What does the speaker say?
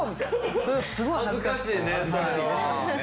それすごい恥ずかしくて。